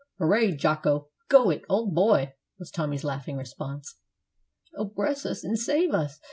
"Hooray, Jocko! go it, old boy!" was Tommy's laughing response. "Oh, bress us an' save us!